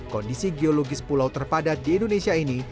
kondisi geologis pulau terpadat di indonesia ini